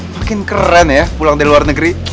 makin keren ya pulang dari luar negeri